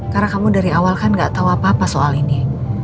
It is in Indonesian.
karena kamu dari awal kan nggak tahu apa apa soal ini